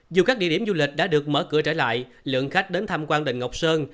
dù các địa điểm du lịch đã được mở cửa trở lại lượng khách đến tham quan đình ngọc sơn